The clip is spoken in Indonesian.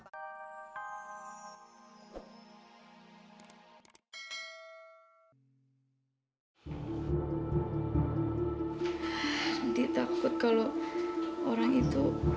nanti takut kalau orang itu